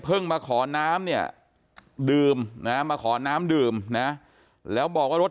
มาขอน้ำเนี่ยดื่มนะมาขอน้ำดื่มนะแล้วบอกว่ารถ